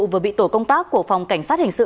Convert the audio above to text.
vừa bị tổ công tác của phòng cảnh sát hình sự